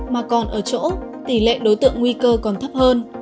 mà còn ở chỗ tỷ lệ đối tượng nguy cơ còn thấp hơn